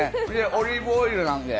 オリーブオイルなんで。